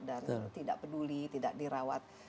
dan tidak peduli tidak dirawat